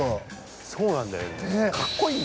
そうなんだよね。